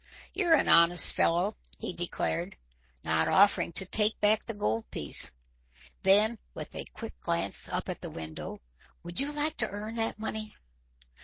"You're an honest fellow," he declared, not offering to take back the gold piece. Then, with a quick glance up at the window, "Would you like to earn that money?"